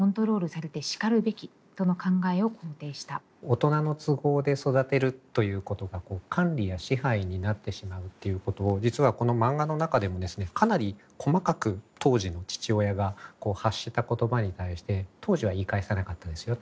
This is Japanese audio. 大人の都合で育てるということが管理や支配になってしまうっていうことを実はこの漫画の中でもですねかなり細かく当時の父親が発した言葉に対して当時は言い返さなかったですよ